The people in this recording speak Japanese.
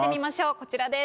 こちらです。